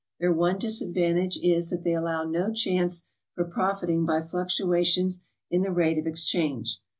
Their one disadvantage is that they allow no chance for profiting by fluctuations in the rate of exchange.